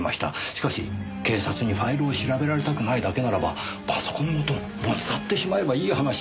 しかし警察にファイルを調べられたくないだけならばパソコンごと持ち去ってしまえばいい話じゃありませんか。